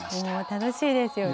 楽しいですよね。